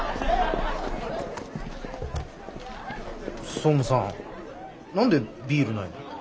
総務さん何でビールないの？